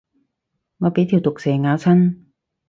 我俾條毒蛇咬親